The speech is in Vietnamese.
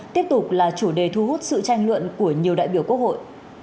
tiếp tục là chủ đề thu hút sự tranh luận của nhiều đại biểu quốc hội